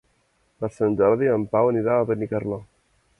Per Sant Jordi en Pau anirà a Benicarló.